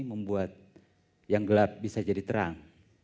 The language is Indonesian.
membuat yang gelap bisa jadi terang